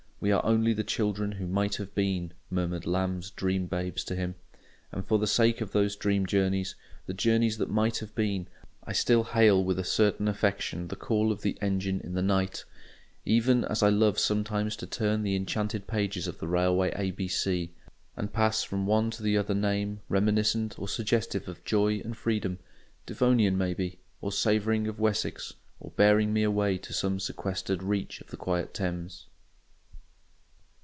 "We are only the children who might have been," murmured Lamb's dream babes to him; and for the sake of those dream journeys, the journeys that might have been, I still hail with a certain affection the call of the engine in the night: even as I love sometimes to turn the enchanted pages of the railway a b c, and pass from one to the other name reminiscent or suggestive of joy and freedom, Devonian maybe, or savouring of Wessex, or bearing me away to some sequestered reach of the quiet Thames.